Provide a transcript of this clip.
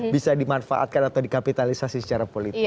bisa dimanfaatkan atau dikapitalisasi secara politik